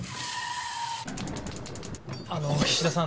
あの菱田さん